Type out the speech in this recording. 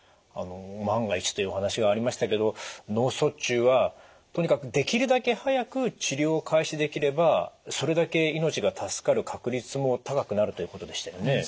あの万が一というお話がありましたけど脳卒中はとにかくできるだけ早く治療を開始できればそれだけ命が助かる確率も高くなるということでしたよね。